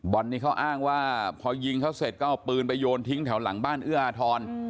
นี้เขาอ้างว่าพอยิงเขาเสร็จก็เอาปืนไปโยนทิ้งแถวหลังบ้านเอื้ออาทร